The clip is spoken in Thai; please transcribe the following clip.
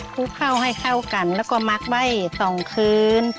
ลุกเข้าให้เข้ากันแล้วก็มักไว้๒คืน